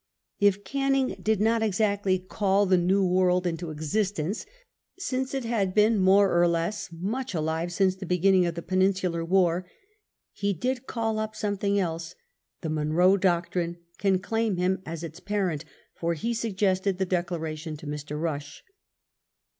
If Canning did not exactly call the New World into existence, since it had been more or less much alive since the beginning of the Peninsular War, he did call up something else — ^the " Monroe doctrine " can claim him as its parent, for he suggested the declaration to Mr. Eush.